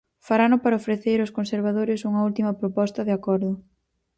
Farano para ofrecer aos conservadores unha última proposta de acordo.